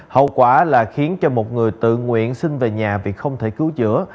hậu quả là khiến cho một người tự nguyện xin về nhà vì không thể cứu chữa